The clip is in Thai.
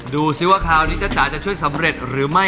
ดูสิว่าคราก่อนเนี้ยจะช่วยสำเร็จครับ